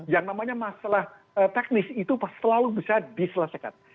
yang namanya masalah teknis itu selalu bisa diselesaikan